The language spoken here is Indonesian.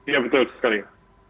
ya betul sekali ya